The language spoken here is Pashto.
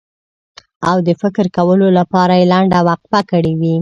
او د فکر کولو لپاره یې لنډه وقفه کړې وي.